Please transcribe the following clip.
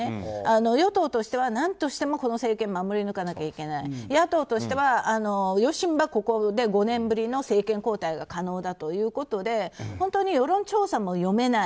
与党としては何としても、この政権を守り抜かなきゃならない野党としてはよしんば、ここで５年ぶりの政権交代が可能だということで本当に世論調査も読めない。